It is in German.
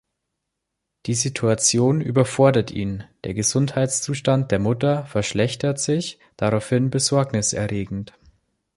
Die Situation überfordert ihn, der Gesundheitszustand der Mutter verschlechtert sich daraufhin besorgniserregend.